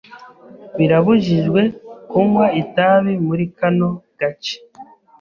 Birabujijwe kunywa itabi muri kano gace.